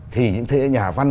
thì những thế hệ nhà văn